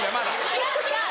違う違う！